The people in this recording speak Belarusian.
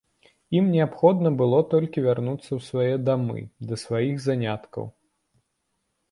Ім неабходна было толькі вярнуцца ў свае дамы, да сваіх заняткаў.